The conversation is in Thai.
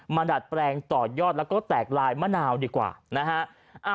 ดัดแปลงต่อยอดแล้วก็แตกลายมะนาวดีกว่านะฮะ